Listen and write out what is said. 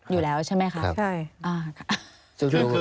อยู่แล้วใช่ไหมคะใช่ค่ะ